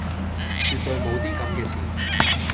絕對無啲咁既事